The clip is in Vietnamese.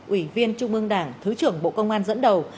ủy viên trung ương đảng thứ trưởng bộ công an dẫn đầu